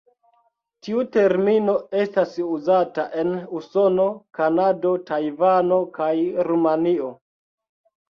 Tiu termino estas uzata en Usono, Kanado, Tajvano kaj Rumanio.